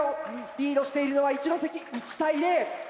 リードしているのは一関１対０。